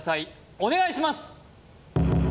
お願いします